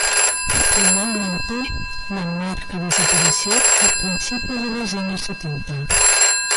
Finalmente, la marca desapareció a principios de los años setenta.